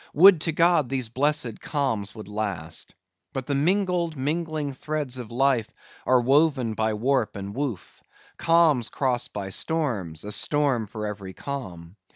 Would to God these blessed calms would last. But the mingled, mingling threads of life are woven by warp and woof: calms crossed by storms, a storm for every calm.